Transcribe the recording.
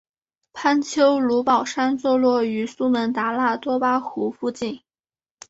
潘丘卢保山坐落于苏门答腊多巴湖附近。